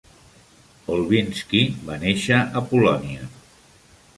Olbinski va néixer a Polònia.